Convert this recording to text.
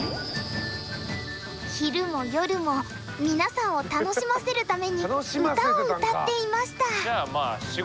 「昼も夜も皆さんを楽しませるために歌を歌っていました。